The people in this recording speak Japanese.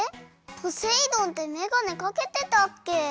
ポセイ丼ってめがねかけてたっけ？